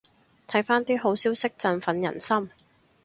睇返啲好消息振奮人心